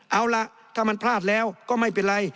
เอาล่ะถ้ามันพลาดแล้วก็ไม่เป็นไร